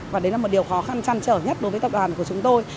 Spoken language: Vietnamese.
và đấy là một điều khó khăn chăn trở nhất đối với tập đoàn của chúng tôi